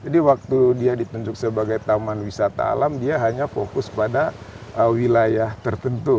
jadi waktu dia ditunjuk sebagai taman wisata alam dia hanya fokus pada wilayah tertentu